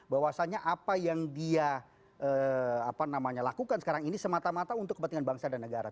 bahwasannya apa yang dia lakukan sekarang ini semata mata untuk kepentingan bangsa dan negara